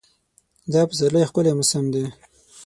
دا پسرلی ښکلی موسم دی.